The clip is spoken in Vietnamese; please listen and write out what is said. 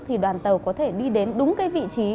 thì đoàn tàu có thể đi đến đúng cái vị trí